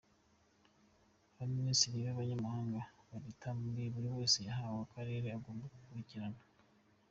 Abaminisitiri n’Abanyamabanga ba Leta buri wese yahawe akarere agomba gukurikirana:.